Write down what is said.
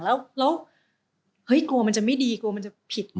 แล้วเฮ้ยกลัวมันจะไม่ดีกลัวมันจะผิดวะ